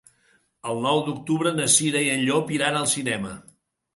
El nou d'octubre na Cira i en Llop iran al cinema.